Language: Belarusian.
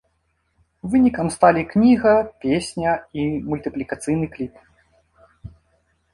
Вынікам сталі кніга, песня і мультыплікацыйны кліп.